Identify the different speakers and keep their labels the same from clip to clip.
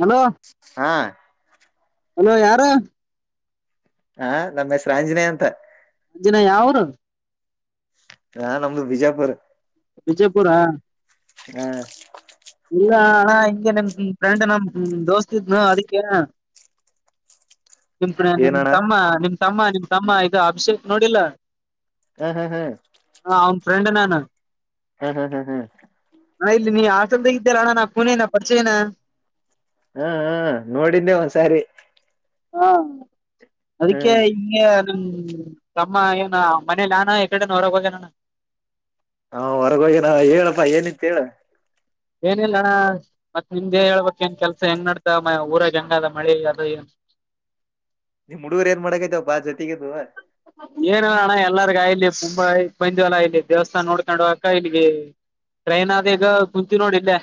Speaker 1: Hello
Speaker 2: ಹಾ
Speaker 1: hello ಯಾರು
Speaker 2: ಹ ನಮ ಆಂಜನೇಯ ಅಂತ
Speaker 1: ದಿನ ಯಾವರು
Speaker 2: ನಾ ನಮ್ದು ಬಿಜಾಪುರ್
Speaker 1: ವಿಜಪುರ
Speaker 2: ಹ
Speaker 1: ಇಲ್ಲ ಅಣ್ಣ ಹಿಂಗೆ ನಿಮ [unintelligible] ಫ್ರೆಂಡ್ ನಮ್ ದೋಸ್ತಿದ್ನು ಅದಕ್ಕೆ [inaudible] ನಿಮ್ ನಿಮ್
Speaker 2: ಏನಣ್ಣ
Speaker 1: ತಮ್ಮ ನಿಮ್ ತಮ್ಮ ನಿಮ್ ತಮ್ಮ ಈಗ ಅಭಿಷೇಕ್ ನೋಡಿಲ್ಲ
Speaker 2: ಹ ಹ ಹ
Speaker 1: ಅವನ್ ಫ್ರೆಂಡ್ ನಾನು
Speaker 2: ಹ ಹ ಹ
Speaker 1: ಹಾ ಇಲ್ಲಿ ನೀ ಆಟಲ್ದಾಗ ಇದ್ದರಾ ಅಣ್ಣ [unintelligible] ನೇನ ಪರಿಚಯ ಏನ [unintelligible]
Speaker 2: ಹಾ ಹಾ ನೋಡಿದ್ದೆ ಒಂದ್ಸಾರಿ
Speaker 1: ಹಾ ಅದಕ್ಕೆ
Speaker 2: ಹ್ಮ್
Speaker 1: ಹಿಂಗ ನಮ್ ನಮ್ಮ ಏನ ಮನೇಲಿ ನಾನ ಈ ಕಡೆನ ಹೊರಾಗ ಹೋಗನಾನ
Speaker 2: ಹಾ ಹೊರಗ ಹೋಗಿದ್ ಹೇಳಪ್ಪಾ ಏನಿತ್ತ ಹೇಳ
Speaker 1: ಏನಿಲ್ಲ ಮತ್ತತ್ ನಿಮ್ದೆ ಹೇಳ್ಬೇಕಕ್ ಏನ್ ಕೆಲ್ಸ ಹೆಂಗ್ ನಡ್ತ ಮ ಊರ ಹೆಗದ ಮಳೆ ಅದು ಏ [inaudible]
Speaker 2: ನಿಮ್ ಹುಡುಗರು ಏನ್ ಮಾಡಕೈತವ ಬಾ ಜೊತಿಗದುವ
Speaker 1: ಏನು ಅಣ್ಣ ಎಲ್ಲಾರ್ಗ ಇಲ್ಲಿ ತುಂಬಾ ಬಂದಿವವಲ್ಲ ಇಲ್ಲಿ ದೇವಸ್ಥಾನ ನೋಡ್ಕೊಂಡ ಹಕ ಇಲ್ಲಿಗೆ ಟ್ರೈನ್ ಆದ ಈಗ ಕುಂತೀ ನೋಡಿ ಇಲ್ಲೇ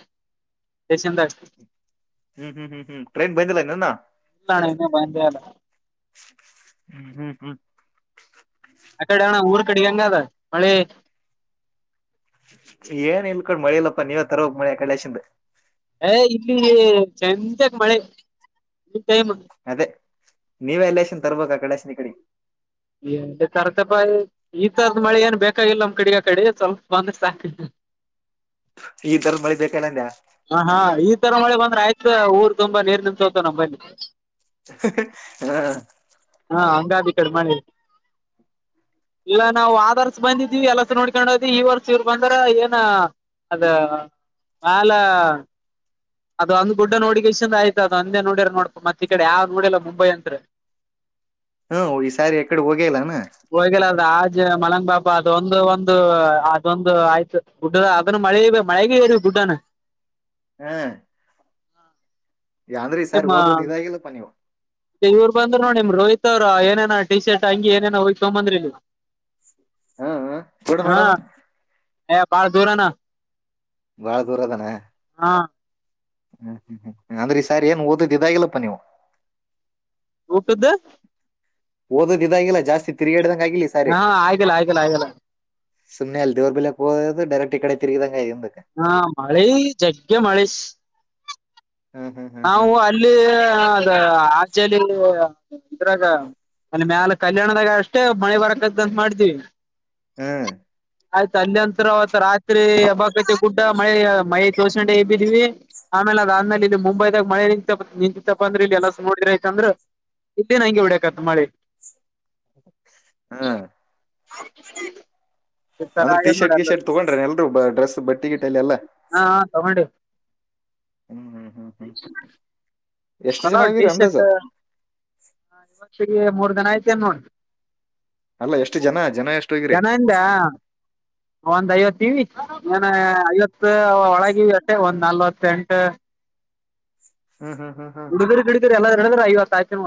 Speaker 1: ಸೇಶನ್ದಾಗ
Speaker 2: ಹ್ಮ್ ಹ್ಮ್ ಹ್ಮ್ ಹ್ಮ್ ್ರೇನ್ ಬಂದಲನು [inaudible]
Speaker 1: ಇಲ್ಲ ಅಣ್ಣ ಇನ್ನೂ ಬಂದೇ ಇಲ್ಲ
Speaker 2: ಹ್ಮ್ ಹ್ಮ್ ಹ್ಮ್ [inaudible]
Speaker 1: ಅ ಕಡೆ ಅವನ ಊರ್ ಕಡಿಗಂಗದ ಮಳೆ
Speaker 2: ಕ ಮಳ ಇಲ್ಲಪ್ಪ ನೀವೇ ತರ ಹೋಗ ಮಳೆ ಕಳಾಶಿಂದ
Speaker 1: ಏ ಇಲ್ಲಿ ಚಂತೆಕ್ ಮಳೆ ಇಲ್ಲಿ ಟೈಮ್
Speaker 2: ಅದೇ ನೀವ ಎಲ್ಲಕ್ಷನ್ ತರ್ಬೇಕ ಕಡೆೇಶನ ಈ ಕಡೆ
Speaker 1: ಎ ತರ್ತಪ ಈ ತರದ ಮಳೆ ಏನ್ ಬೇಕಾಗಿಲ್ಲ ನಮ್ ಕಡಗ ಕಡೆ ಸ್ವಲ್ಪ ಬಂದ ಸಾಕ [inaudible]
Speaker 2: ಈ ತರ ಮಳಿ ಬೇಕನನ್ಯಾ
Speaker 1: ಹ ಹಾ ಈ ತರ ಮಳೆ ಬಂದ್ರೆ ಆಯ್ತು ಊರ್ ತುಂಬಾ ನೀರ್ ನಿ ಸೋತ ನಮ್ಮ ಬಿ
Speaker 2: ಹಾ
Speaker 1: ಗಾಡಿ ಕಡೆ ಮಾಡ ಇಲ್ಲ ನಾವು ಆರ್ಸ ಬಂದಿದ್ದೀವಿ ಎಲ್ಲಸ ನೋಡ್ಕೊಂಡ ಹೋದವಿ ಈ ವರ್ಷ ಇವರು ಬಂದ್ರ ಏನ ಅದು ನಾಲ ಅದು ಒಂದ್ ದೊಡ್ಡ ನೋಡಿಗೆ ಇಂದ ಆಯ್ತ ಅಂದ ನೋಡ್ಯ್ರ ನೋಡ್ ಮತ್ತ ಈ ಕಡೆ ಯಾವ ನೋಡಲ್ಲ ಮುಂಬೈ ಅತ್ರಿ [inaudible]
Speaker 2: ಹ್ಮ್ ಈ ಸಾರಿ ಎಕಡೆ ಹೋಗಲ್ಲಾನ
Speaker 1: ಹೋಗಿಲ್ಲ ಅದ ಆಜ್ ಮಲಂಗ್ ಬಾಬಾ ಅದೊಂದು ಒಂದು ಅದೊಂದು ಆಯ್ತು ಗುಡ್ಡ ಅದನ್ನು ಮಳೆ ಮಳೆಗೆ ಇರಿ ಗಡ್ ಂತಾನ
Speaker 2: ಹ್ಮ್ ಅಂದ್ರೆ ಈ ಸಾರಿ
Speaker 1: ನಿಮ್ಮ
Speaker 2: ಓದೋದು ಇದಾಗಿಲ್ಲಪ್ಪಾ ನೀವು
Speaker 1: ಇವರು ಬಂದ್ರ ನೋಡಿಮ ರೋಹಿತ್ ಇವ್ರ ಏನೇನ ಟಿ ಶರ್ಟ್ ಹಂಗಿ ಏನೇನ ಹೋಗ್ಕೊಂಡ್ ಬಂದ್ರಿ ನೀ
Speaker 2: ಹ್ಮ್ ಹ್ಮ್ ಕೊಡು
Speaker 1: ಹಾ
Speaker 2: ನೋಡಮ್ಮ
Speaker 1: ಯ ಬಾಲ ದೋರಾನ
Speaker 2: ಭಾಳ ದೂರತಾನೇ ಹ್ಮ್ ಹ್ಮ್ ಹ್ಮ್್ಮ್ ಅಂದ್ರೆ ಈ ಸಾರ್ ಏನ್ ಓದದ ಇದಾಗಿಲ್ಲಪ್ಪಾ ನೀವು
Speaker 1: ಊಕಿದ್ದ
Speaker 2: ಓದೋದ ಇದಂಗಿಲ್ಲ ಜಾಸ್ತಿ ತಿರುಗಾಡ್ದಕ ಆಗಲಿ ಸಾರಿ
Speaker 1: ಹಾ ಆಗಿಲ್ಲ ಆಗಿಲ್ಲ ಆಗಿಲ್ಲ
Speaker 2: ಸುಮ್ಮನೆ ಅಲ್ಲಿ ದೇರ್ಲೆೋದು ಡರೆಕ್ಟ್ ಇ ಕಡೆ ತಿರುಗಿದಂಗ ಹಿಂದಕ್ಕೆ
Speaker 1: ಹಾ ಮಾಡಿ ಜಗ್ಗೆ ಮಾಡಿ
Speaker 2: ಹ್ಮ್ ಹ್ಮ್ ಹ್ಮ್ ಹ್ಮ್
Speaker 1: ನಾವು ಅಲ್ಲಿ ಅದ ಆಲ್ಲಿ ಇದ್ರಾಗ ಅಲ್ಲಿ ಮ್ಯಾಲ ಕಲ್ಯಾಣದಾಗ ಅಷ್ಟೇ ಮಳೆ ಬರಕತ್ಂತ ಮಾಡ್ತೀವಿ
Speaker 2: ಹ್ಮ್
Speaker 1: ಆಯ್ತ ಅಲ್ಲಿ ನಂತರ ಅವತ್ ರಾತ್ರಿ ಹಬ್ಬಾಪೇಟ್ಟೆ ಗುಡ್ಡ ಮಳೆ ಮಳೆ ತೋಸಂಡೆಬಿದ್ವಿ ಆಮೇಲೆ ಅದಾದ್ಮೇಲೆ ಇಲ್ಲಿ ಮುಂಬೈದಾಗ ಮಳೆ ನಿಂತ ನಿಂತತ್ತಪ್ಪ ಅಂದ್ರ ಇ ಎಲ್ಲ ನೋಡ್ರಿಯ್ತ ಅಂದ್ರ ಇದ್ದೇ ನ ಹಂಂಗಗೆ ಉಡಕತ್ ಮಳೆ
Speaker 2: ಹಾ
Speaker 1: ಹ [inaudible] ಸತರ
Speaker 2: ಟಿ ಶರ್ಟ್ ಗಿ
Speaker 1: ನೋಡಲ್ಲ
Speaker 2: ಶರ್ಟ್ ತಗೊಂಡ್ರೆ ಎಲ್ರು ಡ್ರೆಸ್ ಬಟ್ಟಿ ಗಿಟ್ಟ ಎಲ್ಲ
Speaker 1: ಹಾ ಹ ತಗೊಂಡಿ
Speaker 2: ಹ್ಮ್ ಹ್ಮ್ ಹ್ಮ್ ಹ್ಮ್ ಎಷ್ಟು ಜನ ಹೋಗಿರಿ ಅಂದಾಜ
Speaker 1: ಟಿ-ಶರ್ಟ್ ಹಾ ಇವಕ್ಷಿಗೆ ಮೂರ್ ದನ ಐತಿ ಅಂದ ನೋಡಿ
Speaker 2: ಅಲ್ಲ ಎಷ್ಟು ಜನ ಜನ ಎಷ್ಟು ಹೋಗಿರಿ
Speaker 1: ಜನಂದ ಒಂದ್ ಐವತ್ತವಿ ನ ಐವತ್ತು ಒಳಗೆ ಅಷ್ಟೆ ಒಂದ್ ನಲ್ವತ್ತೆಂಟು
Speaker 2: ಹ್ಮ್ ಹ್ಮ್ ಹ್ಮ್ ಹ್ಮ್
Speaker 1: ಇ ಅತ್ತ ಆಯಚ ಮೂ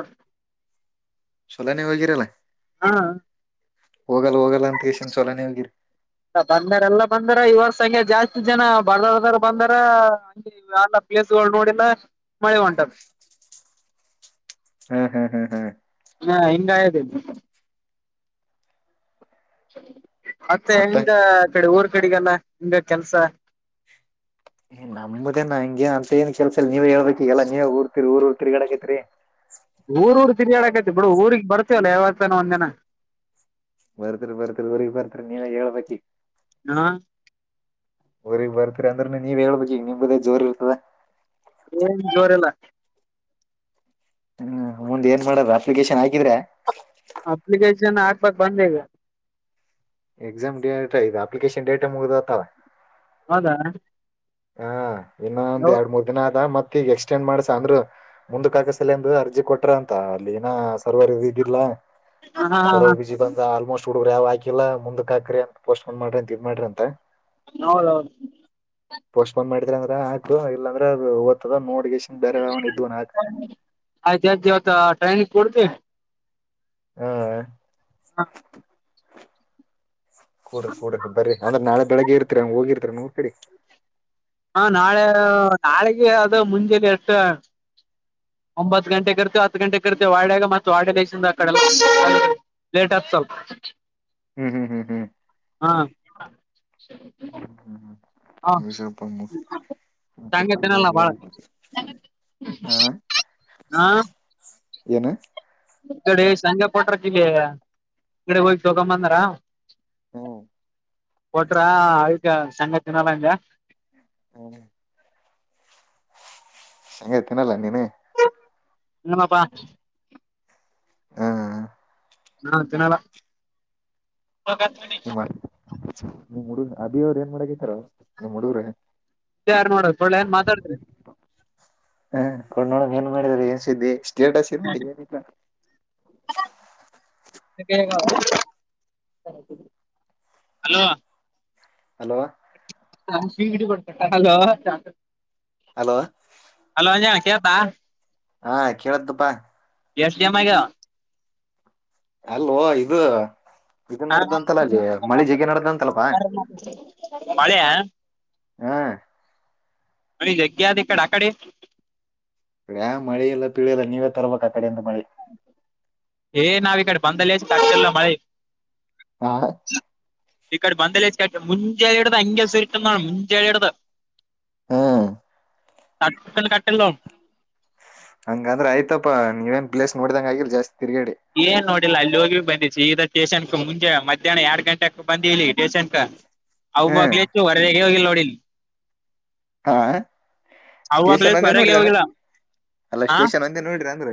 Speaker 2: ಎಲ್ಲ ನೀವು ಹೋಗಿರಲ್ಲ
Speaker 1: ಹಾ
Speaker 2: ಹೋಗಲ್ಲ ಹೋಗಲ್ಲ ಅಂತ ಎಸನ್ ಸೊಲನೇ ಹೋಗಿರಿ
Speaker 1: ಬಂದರೆ ಎಲ್ಲ ಬಂದಾರ ಇವರ್ ಹಂಗೆ ಜಾಸ್ತಿ ಜನ ಬರ್ದರ್ದಾರ ಬಂದಾರ ಪ್ಲೇಸ್ಗಳು ನೋಡಿಲ್ಲ ಮಳೆ ಉಂಟದ
Speaker 2: ಹ್ಮ್ ಹ್ಮ್ ಹ್ಮ್ ಹ್ಮ್
Speaker 1: ಹ [inaudible] ಮತ್ತೆ ಹೆಂಗ ಕಡೆ ಊರ್ ಕಡೆಗಲ್ಲ ಹಂಗ ಕೆಲ್ಸ
Speaker 2: ನಮ್ ಮದೇನ ಹಂಗೆ ಅಂತ ಏನ್ ಕೆಲ್ಸ ಇಲ್ಲ ನೀವೇ ಹೇಳ್ಬೇಕಕ್ ಎಲ್ಲಾ ನೀವೇ ಊರ್ತಿೀರಿ ಊರು ತಿರ್ಗಡಾಕತಾಯಿ ರಿ
Speaker 1: ಊರ್ ಊರ್ ತಿರಿಯಾಡಕೈತಿ ಬಿಡ ಊರಿಗೆ ಬರ್ತೇವಲ್ಲ ಯಾವತ್ತನ ಒಂದ್ ಜನ
Speaker 2: ವರ್ತ ವರ್ತ್ತ ವರ ಬರ್ತರ ನೀನ ಳ ಬಕಿ
Speaker 1: ಹ
Speaker 2: ಅವಊ್ರಗ್ ಬರ್ತರಿ ಅಂದ್ರ ನೀವ್ ಹೇಳ್ಬೇಕು ಈಗ ನಿಮಗುದೇ ಜೋರ್ ಇರ್ತದ
Speaker 1: ಏನ್ ಜೋರಿಲ್ಲ
Speaker 2: ಹ್ಮ್ ಮುಂದ್ ಏನ್ ಮಾಡ್ರ ಅಪ್ಲಿಕೇಶನ್ ಹಾಕಿದ್ರೆ
Speaker 1: ಅಪ್ಲಿಕೇಶನ್ ಹಾಕ್ಬೇಕಕ್ ಬಂದಗ
Speaker 2: ಎಕ್ಸಾಮ್ ಡೇಟ್ ಇದು ಅಪ್ಲಿಕೇಶನ್ ಡೇಟ್ ಮುಗ್ದ್ತವ
Speaker 1: ಹೌದಾ
Speaker 2: ಹಾ ಇನ್ನೊಂದ್
Speaker 1: ಹ
Speaker 2: ಎರಡ್ ಮೂರ್ ದಿನ ಆದದ ಮತ್ ಗ ಎಕ್ಸ್ಟೆಂಡ್ ಮಾಡ್ಸ ಅಂದ್ರರು ಮುಂದಕ್ಕೆ ಹಾಕಸಲ್ಲಂದು ಅರ್ಜಿ ಕೊಟ್ರ ಅಂತ ಅಲ್ಲಿ ಏನ ಸರ್ವರ್ ಈಗಿಲ್ಲಾ
Speaker 1: ಹಾ ಹಾ
Speaker 2: ಸರ್ವರ್ ಬ್ಯುಸಿ ಬಂದ ಆಲ್ಮೋಸ್ಟ್ ಚುಡ್ರಿ ಯಾವ ಹಾಕಿಲ್ಲ ಮುಂದಕ್ಾಕ್ರಿ ಅಂತ ಪೋಸ್ಟ್ೋನ್ ಮಾಡ್ರಿ ಅಂತ ಇದ್ ಮಾಡ್ರಿ ಅಂತ
Speaker 1: ಹೌದೌದು
Speaker 2: ಪೋಸ್ಟ್ಪೋನ್ ಮಾಡಿದ್ರ ಅಂದ್ರ ಆಯ್ತು ಇಲ್ಲಾಂದ್ರೆ ಅದುದ ಅದ ನೋಡ್ಗಷ್ಟನ್ ಬೇರೆ ಅವನ ಇದ್ವ ನಾಗ
Speaker 1: ಆಯ್ತ ಆಯ್ತು ಇವತ್ತು ಟ್ರೈನಿಗೆ ಕೊಡ್ತಿ
Speaker 2: ಹಾ
Speaker 1: ಹಾ
Speaker 2: ಕೂಡ ಕೂಡ್ರ ಬರರಿ ಅಂದ್ರೆ ನಾಳೆ ಬೆಳಿಗ್ಗೆ ಇರ್ತೀರಿ ಹಂಗ ಹೋಗಿರ್ತರಿ ನೋಡ್ಕೇಡಿ
Speaker 1: ಹಾ ನಾಳೆ ನಾಳೆಗೆ ಅದು ಮುಂಜೆಾನ ಎಷ್ಟ ಒಂಬತ್ ಗಂಟೆಗೆ ಕರ್ತ ಹತ್ತು ಗಂಟೆೆಗೆ ಕರ್ತೀವೆ ವಾಡ್ಯಾಗ ಮತ್ತ ವಡ ದೇಶದ ಕಡ ೇಟ್ ಆತ್ ಚಲ್
Speaker 2: ಹ್ಮ್ ಹ್ಮ್ ಹ್ಮ್ ಹ್ಮ್
Speaker 1: ಹಾ ಹ
Speaker 2: ವಿಷಪ್ಪ ಮತ್ತ
Speaker 1: ಶೇಂಗಾ ತಿನ್ನಲ್ಲ ಬಾಳ
Speaker 2: ಕ
Speaker 1: ಹಾ
Speaker 2: ಏನು
Speaker 1: ಈಡೆ ಸಂಜ ಪಟ್ರ ಕಲ್ಲಿ ಕಡೆ ಹೋಗಿ ತೋಗಂಬಂದಾರ [unintelligible]
Speaker 2: ಹ್ಮ
Speaker 1: ಕೊಟ್ರ ಆಯ್ಗ ಸಂಗಾ ತಿಿನಲ್ಲ ಹಂಗ
Speaker 2: ಹ್ಮ ಹ ತಿನ್ನಲ್ಲ ನೀನು
Speaker 1: ನಮ್ಮಪ್ಪಾ
Speaker 2: ಹ್ಮ್
Speaker 1: ಹಾ ತಿಿನಾಲ
Speaker 2: ನಿಮ್ಮ ನಿಮ್ ಹುಡುಗ ಅದಿ ಅವ್ರ ಏನ್ ಮಾಡಗತಾರ ನಿಮ್ ಹುಡುಗ್ರೆ
Speaker 1: ಯಾರು ನೋಡ ಒಳ್ಳೆ ಏನ್ ಮಾತಾಡ್ತ್ರರಿ
Speaker 2: ಹ ನೋಡ ಏನ್ ಮಾಡಿದ್ರಿ ಏನ್ ಸುದ್ದಿ ಸ್ಟೇಟಸ್ ಇಲ್ಲ ಏನಿಲ್ಲ
Speaker 1: ಹಲೋ
Speaker 2: ಹಲೋ
Speaker 1: ನಮ್ಮ ಕಿವಿಗ ಇಡಿಬೇಡ ಕಟ ಹಲೋ
Speaker 2: ಹಲೋ
Speaker 1: ಹಲೋ ಅಯ್ಯ ಕೆಳ್ತದ
Speaker 2: ಹಾ ಕೇಳ್ತದಪ್ಪಾ
Speaker 1: ಎಷ್ಟ ಸೇಮ್ ಆಗ್ಯವ
Speaker 2: ಅಲೋ ಇದು ಇದು
Speaker 1: ಹ
Speaker 2: ನಡ್ದಂತಲ್ಲ ಅಲ್ಲಿ ಮಳಿ ಜಗಿ ನಡ್ದಂತಲ್ಲಪಾ
Speaker 1: ಮಳಿಯ
Speaker 2: ಹಾ
Speaker 1: ಮಳಿ ಜಗ್ಗೆ ಆದ ಇ ಕಡಿ ಅಕಡಿ
Speaker 2: ಯ್ಯಾ ಮಳಿಲ್ಲ ಪೀಳಿಯಲ್ಲ ನೀವೇ ತರಬೇಕ ಅಕಡಿಯಿಂದ ಮಳಿ
Speaker 1: ಏ ನಾವ ಇಕಡಿ ಬಂದಲಾಸಿ ಕಟ್ಟಿಲ್ಲ ಮಳಿ
Speaker 2: ಹ
Speaker 1: ಈಕಡಿ ಬಂದಲ್ಲಾಸಿ ಮುಂಜಳಿಡಧ ಅಂಗ್ಯ ಸುರಿತದ ಮುಂಜಳಿಡದ
Speaker 2: ಹ್ಮ್
Speaker 1: ತ್ತನ್ನು ಕಟ್ಟಿಲ್ಲ ನೋಡ
Speaker 2: ಹಂಗಂದ್ರ ಆಯ್ತಪ್ಪಾ ನೀವೇನ್ ಪ್ಲೇಸ್ ನೋಡಿದಂಗ ಆಗಿಲ್ಲ ಜಾಸ್ತಿ ತಿರ್ಗಾಡಿ
Speaker 1: ಏನ್ ನೋಡಿಲ್ಲ ಅಲ್ಲಿ ಹೋಗಿ ಬಂದಿವಿ ಸೀದ ಸ್ಟೇಷನ್ ಮುಂಜೆ ಮಧ್ಯಾಹ್ನ ಎರಡು ಗಂಟೆಕ್ ಬಂದಿ ಇಲ್ಲಿ ಸ್ಟೇಷನ್ ಕ
Speaker 2: ಹ್ಮ್
Speaker 1: ಅವಾಗ್ಲಾಸ ಹೊರಗೆ ಹೋಗಿಲ್ಲ ನೋಡಿಲ್
Speaker 2: ಹಾ ಸ್ಟೇಷನ್
Speaker 1: ಅವಾಗ್ಲಾಸಿ
Speaker 2: ಒಂದೇ
Speaker 1: ಹೋರಗೆ
Speaker 2: ನೋಡಿದಾನ
Speaker 1: ಹೋಗಿಲ್ಲ
Speaker 2: ಅಲ್ಲ
Speaker 1: ಹ
Speaker 2: ಸ್ಟೇಷನ್ ಒಂದೇ ನೋಡ್ರಿ ಅಂದ್ರ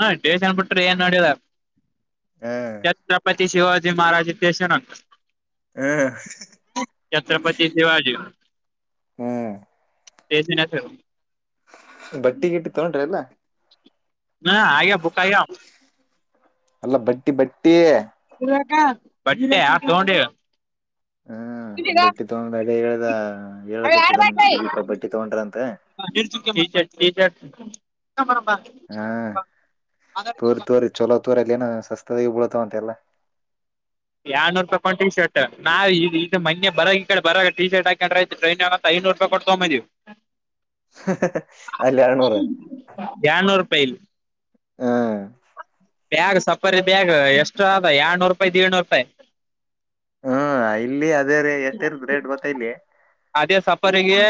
Speaker 1: ಹ ಸೇಷ್ಟನ ಏನ್ ನೋಡಿಲ್ಲ
Speaker 2: ಹ್ಮ್
Speaker 1: ಛತ್ರಪತಿ ಶಿವಾಜಿ ಮಹಾರಾಜ ಸೇಷ್ಟನ
Speaker 2: ಹ್ಮ್
Speaker 1: ಛತ್ರಪತಿ ಶಿವಾಜಿ
Speaker 2: ಹ್ಮ್
Speaker 1: ಸ್ಟೇಷನ್ ಹೆಸರ
Speaker 2: ಬಟ್ಟಿಗಿಟ್ಟಿ ತಗೊಂಡ್ರಿ ಇಲ್ಲ
Speaker 1: ಹಾ ಆಗ್ಯಾವ ಬುಕ್ ಆಗ್ಯಾವ
Speaker 2: ಅಲ್ಲ ಬಟ್ಟಿ ಬಟ್ಟಿ
Speaker 1: ಬಟ್ಟಿ ಹಾ ತೊಂಡಿವಿ
Speaker 2: ಹ್ಮ ಬಟ್ಟಿ ತಗೊಂಡ ಅದೇ ಹೇಳ್ದ
Speaker 1: ಅವ ಯಾರ್
Speaker 2: ಹೇಳಕತಿದ ನಿಮ
Speaker 1: ಬಟ್ಟ
Speaker 2: ಸುದೀಪ ಬಟ್ಟಿ ತಗೊಂಡ್ರ ಅಂತ
Speaker 1: [unintelligible]
Speaker 2: ಹಾ ತೋರಿ ತೋರಿ ಚಲೋ ತೋರಿ ಅಲ್ಲಿ ಏನ ಸಸ್ತದಾಗೆ ಬೂಳತಾವ ಅಂತ ಎಲ್ಲ
Speaker 1: ಎರಡನೂರೂಪಾಯಿ ಕೊಂದ ಟಿ ಶರ್ಟ್ ನಾ ಈ ಇದ ಮನ್ನೆ ಬರಗ ಈ ಕಡೆ ಬರ ಟ ಶರ್ಟ್ ಹಾಕೊಂಡ್ರ ಆಐತ ಟ್ರೈನ್ ರೂಪಾಯಿ ಕೂಟ್ಟ ತೂಂಬ ಬಂದಿವಿ
Speaker 2: ಅಲ್ಲಿ ಎರಡ್ನೂರ
Speaker 1: ಎರಡ ನೂರೂಪಾಯಿ ಇಲ್ಲಿ
Speaker 2: ಹಾ
Speaker 1: ಬ್ಯಾಗ್ ಸಪಾರಿ ಬ್ಯಾಗ್ ಎಷ್ಟು ಅದ ಎರಡನೂರು ರೂಪಾಯಿ ದಿಡ್ನೂರು ರೂಪಾಯಿ
Speaker 2: ಹ್ಮ ಇಲ್ಲಿ ಅದೇ ರ ಎಷ್ಟ ಇರತದ ರೇಟ್ ಗೊತ್ತ ಇಲ್ಲಿ
Speaker 1: ಅದೇ ಸಫರಿಗೆ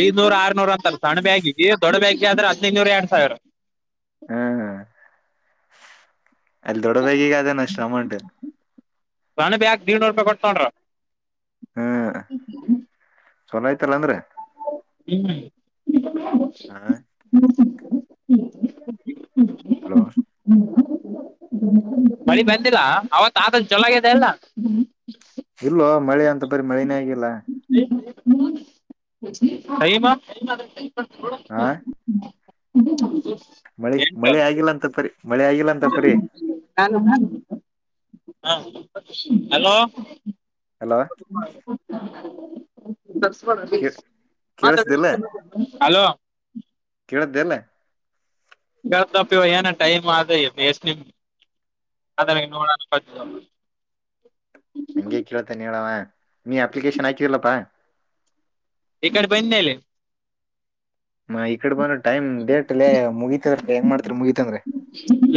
Speaker 1: ಐದನೂರ್ ಆರ್ನೂರ ಅಂತ ಸಣ್ಣ ಬ್ಯಾಗಿಗೆ ದೊಡ್ಡ ಬ್ಯಾಗಿಗ ಆದ್ರ ಹದಿನೈದುನೂರ ಎರಡ್ ಸಾವಿರ
Speaker 2: ಹ್ಮ್ ಹ್ಮ್ ಅಲ್ಲಿ ದೊಡ್ಡ ಬ್ಯಾಗಿಗಾದೆನ ಅಷ್ಟ ಅಮೌಂಟ
Speaker 1: ಸಣ್ಣ ಬ್ಯಾಗ್ ದಿಡ್ನೂರು ರೂಪಾಯಿ ಕೊಟ್ಟತೊಂಡ್ರ
Speaker 2: ಚೊಲೋ ಆಯ್ತಲ್ಲ ಅಂದ್ರ
Speaker 1: [unintelligible]
Speaker 2: ಹಾ [unintelligible]
Speaker 1: ಬಳಿ ಬಂದಿಲ್ಲ ಅವತ್ ಆತ ಚಲೊಗಾಗಿದೆ ಅಲ್ಲ
Speaker 2: ಇಲ್ಲವೋ ಮಳೆ ಅಂತಪರಿ ಮಳಿನೇ ಆಗಿಲ್ಲ ಹಾ
Speaker 1: [unintelligible]
Speaker 2: ಮಳಿ
Speaker 1: ಎಂಟು
Speaker 2: ಮಳಿ ಆಗಿಲ್ಲ ಅಂತ ಪರಿ ಮಳಿ ಆಗಿಲ್ಲಾ ಅಂತ ಪರಿ
Speaker 1: [unintelligible] ಹಲೋ
Speaker 2: ಹಲೋ
Speaker 1: ಹಲೋ [unintelligible]
Speaker 2: ಕೇಳ್ದೆಲ್ಲ
Speaker 1: [unintelligible] ಅದನ ನೋಡ ಸಾಧ್ಯ
Speaker 2: ಹಗೆ ಕೇಳತೇನೆ ಅವಾ ನೀ ಅಪ್ಲಿಕೇಶನ್ ಹಾಕಿದಲಪ್ಪಾ
Speaker 1: ಇಕಡೆ ಬಂದನಿಲ್ಲಿ
Speaker 2: ನಾ ಈಕಡೆ ಬಂದ ಟೈಮ್ ಡೇಟ್ಲ ಲೇ ಮುಗಿತದ ಹೆಂಗ್ ಮಾಡ್ತರಿ ಮುಗಿತಂದ್ರ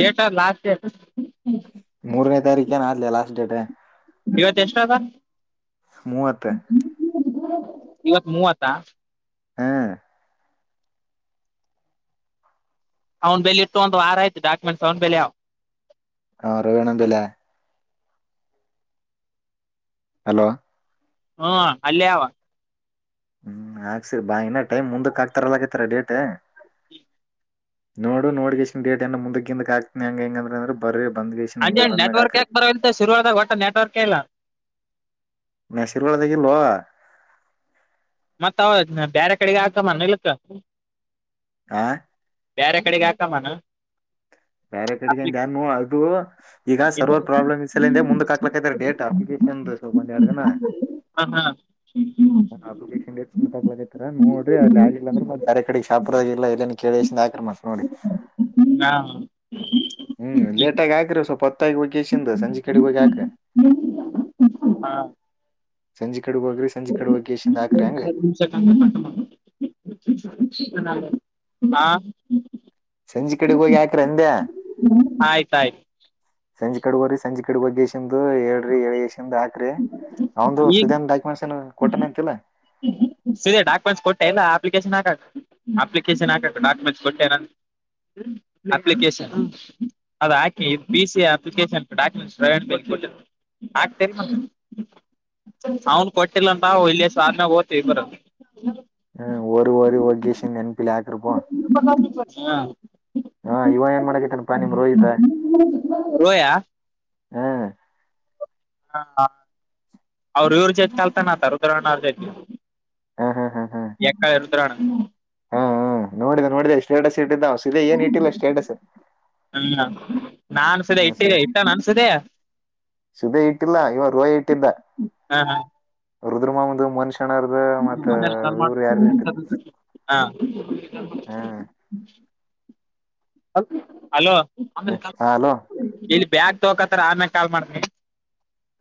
Speaker 1: ಏಟ ಲಾಸ್ಟ್ ಡೇಟ್
Speaker 2: ಮೂರನೇ ತಾರೀಖ ನ ಆಗ್ಲಿ ಲಾಸ್ಟ್ ಡೇಟ್
Speaker 1: ಇವತ್ತ ಎಷ್ಟು ಅದ
Speaker 2: ಮೂವತ್
Speaker 1: ಇವತ್ ಮೂವತ್ತಾ
Speaker 2: ಹ್ಮ
Speaker 1: ಅವ್ನ್ ಬೆಲಿ ಇಟ್ಟ ಒಂದು ವಾರ ಆಯ್ತು ಡಾಕ್ಯುಮೆಂಟ್ಸ್ ಅವ್ ಬಲೆ ಅವ
Speaker 2: [unintelligible] ಹಲೋ
Speaker 1: ಹ್ಮ ಅಲ್ಲೇ ಆವಾ
Speaker 2: ಹ್ಮ್ ಆಕ್ಸರಿ ಬಾ ಇನ್ನ ಟೈಮ್ ಮುಂದಕ್ ಹಾಕ್ತಾರ ಅನ್ನಾಕತಾರ ಡೇಟ್ ನೋಡು ನೋಟಿಕೇಶನ್ ಡೇಟ್ ಮುಂದಕ್ಕ ಹಿಂದಕ್ಕ ಆಗ್ತೀನಿ ಹಂಗ ಹಿಂಗಂದ್ರೆ ಅಂದ್ರೆ ಬರೀ
Speaker 1: ಅಂಡ್ ನೆಟ್ವರ್ಕ್ ಯಾಕೆ ಬರೋಂತ ಶುರುವಾದಾಗ ಒಟ್ಟೆ ನೆಟ್ವರ್ಕ್ ಇಲ್ಲಾ
Speaker 2: [unintelligible]
Speaker 1: ಮತ್ತ ಅವ ಬೇರೆ ಕಡೆಗೆ ಹಾಕುಮನ ನಡಿತ್
Speaker 2: ಆ
Speaker 1: ಬ್ಯಾರೆ ಕಡೆಗೆ ಹಾಕುಮ್ಮನ
Speaker 2: ಬ್ಯಾರೆ ಕಡೆಗೆಂದ ಯಾರು ಅದು ಈಗ
Speaker 1: ಇಂದ
Speaker 2: ಸರ್ವರ್ ಪ್ರಾಬ್ಲಮ್ ಇದ್ದ ಸಲಂದ ಮುಂದಕ ಹಾಕ್ಲಕ್ತಾರೆ ಡೇಟ್ ಅಪ್ಲಿಕೇಶನ್ ಒಂದೆರಡು ದಿನ
Speaker 1: ಹ ಹಾ
Speaker 2: [unintelligible] ನೋಡ್ರ ಅಲ್ಲಿ ಆಗ್ಲಿಲ್ಲ ಅಂದ್ರ ಮತ್ ಬರೆ ಕಡೆಗ್ ಶಾಪುರಲ್ಲ ಎಲ್ಲ ಕೇಳಿ ಹಾಕ್ರಿ ಮತ್ ನೋಡಿ
Speaker 1: [unintelligible]
Speaker 2: ಹ್ಮ್ ಲೇಟಾಗಿ ಆಕ್ರಿ ಸ್ವಲ್ಪ ಸಂಜೆ ಕಡೆ ಹೋಗಿ ಹಾಕ ಕಡೆ ಹೋಗ್ರಿ ಸಂಜೆ ಕಡೆ ಹೋಗಿ ಕೆಷಿಂದ ಹಾಕ್ರಿ ಹಂಗ
Speaker 1: ಹಾ
Speaker 2: ಸಂಜೆ ಕಡೆ ಹೋಗಿ ಹಾಕ್ರಿ ಅದ್ಯಾ
Speaker 1: ಆಯ್ತಾಯ್ತು
Speaker 2: ಸಂಜೆ ಕಡೆ ಹೋಗ್ರಿ ಸಂಜೆ ಕ [unintelligible] ಹೇಳ್ರಿ ಹೇಳ್ ಕಿಸ್ಸಿಂದ ಹಾಕ್ರಿ ಅವಂದು ಸುದ್ಯಾನ್ ಡಾಕ್ಯುಮೆಂಟ್ಸ್ ಏನು ಕೊಟ್ಟಾನ ಅಂತಿಲ್ಲ
Speaker 1: [unintelligible] ಸರೀ ಡಾಕ್ಯುಮೆಂಟ್ಸ್ ಕೊಟ್ಟೇನ್ ಇಲ್ಲ ಅಪ್ಲಿಕೇಶನ್ ಹಾಕಕ ಅಪ್ಲಿಕೇಶನ್ ಹಾಕ ಡಾಕುಮೆಂಟ್ಸ್ ಕೊಟ್ಟನ್ ಅಪ್ಲಿಕೇಶನ್ ಅದಾಕೆ ಪಿ ಸಿ ಅಪ್ಲಿಕೇಶನ್ ಡಾಕ್ಯುಮೆಂಟ್ಸ್ [unintelligible] [inaudible]
Speaker 2: ಹೂ ಹೋಗ್ರಿ ಹೋಗ್ರಿ ಕೆಸಿಂದ ನೆನಪಿಲೇ
Speaker 1: ಬಾವ
Speaker 2: ಹಾ ಇವ ಏನ್ ಮಾಡಕೈತಾನಪಾ ನಿಮ್ ರೋಹಿತ
Speaker 1: [unintelligible] ರೋಯಾ [inaudible]
Speaker 2: ಹ್ಮ
Speaker 1: ಹ ಅವ್ರ ಇವ್ರ ಜೊತೆ ಕಲ್ತಾನತ ರುದ್ರಣ್ರ ಜೊತೆ
Speaker 2: ಹ್ಮ್ ಹಾ ಹಾ್ ಹ್ಮ್
Speaker 1: ಎ [unintelligible]
Speaker 2: ಹಾ ಹ ನೋಡಿದೆ ನೋಡಿದೆ ಸ್ಟೇಟಸ್ ಇಟ್ಟಿದ್ದ ಸದೆ ಏನ್ ಇಟ್ಟಿಲ್ಲ ಸ್ಟೇಟಸ್.
Speaker 1: ಹ್ಮ ನನ್ಸಿದೆ ಇಟ್ಟಿದೆ ಇಟ್ಟ ನ ಅನ್ಸಿದೆ
Speaker 2: ಸಧ ಇಟ್ಟಿಲ್ಲ ಇವಾಗ ರೋಹಿ ಇಟ್ಟಿದ್ದ
Speaker 1: ಹ ಹ
Speaker 2: ರುದ್ರಮಮ ಮನುಷ್ಯ ಶಕ್ಷಣ್ದ ಮತ್ತ ಇವರು ಯಾರು ಇಟ್ಟಿದ
Speaker 1: ಹಾಂ
Speaker 2: ಹ್ಮ್
Speaker 1: ಅಲೋ
Speaker 2: ಹಲೋ
Speaker 1: ಇಲ್ಲಿ ಬ್ಯಾಗ ತೋಕತ್ತಾರ ಆಮೇಲೆ ಕಾಲ್ ಮಾಡ್ಮ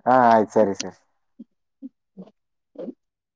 Speaker 2: ಹಾ ಆಯ್ತು ಸರಿ ಸರಿ